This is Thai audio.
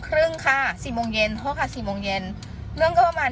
ครึ่งค่ะสี่โมงเย็นโทษค่ะสี่โมงเย็นเรื่องก็ประมาณ